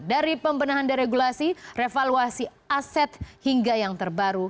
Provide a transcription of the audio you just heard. dari pembenahan deregulasi revaluasi aset hingga yang terbaru